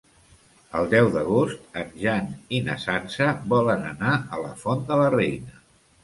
El deu d'agost en Jan i na Sança volen anar a la Font de la Reina.